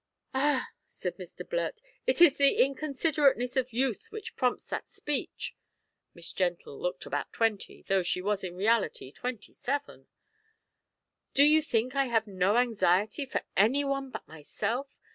"Ah!" said Mr Blurt, "it is the inconsiderateness of youth which prompts that speech. (Miss Gentle looked about twenty, though she was in reality twenty seven!) Do you think I have no anxiety for any one but myself?